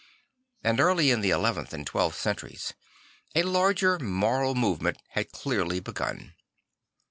And early in the eleventh and twelfth centuries a larger moral movement had clearly begun.